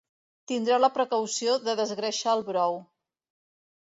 tindreu la precaució de desgreixar el brou